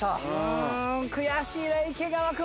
悔しいね池川君。